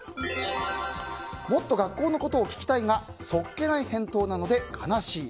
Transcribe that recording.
もっと学校のことを聞きたいが素っ気ない返答なので悲しい。